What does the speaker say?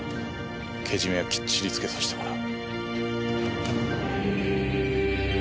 ケジメはきっちりつけさせてもらう。